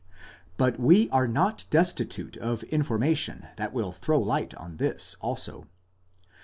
But we are not destitute of informa tion that will throw light on this also.